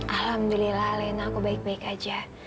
alhamdulillah lena aku baik baik aja